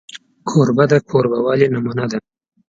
کوربه د کوربهوالي نمونه وي.